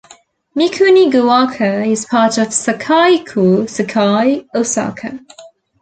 Mikunigoaka is part of Sakai-ku, Sakai, Osaka.